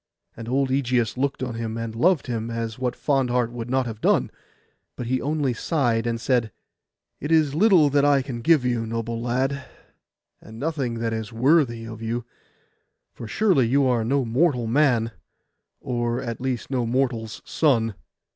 And old Ægeus looked on him, and loved him, as what fond heart would not have done? But he only sighed, and said— 'It is little that I can give you, noble lad, and nothing that is worthy of you; for surely you are no mortal man, or at least no mortal's son.